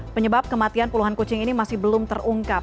penyebab kematian puluhan kucing ini masih belum terungkap